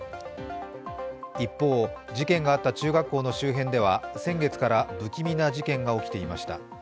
一方、事件があった中学校の周辺では先月から不気味な事件が起きていました。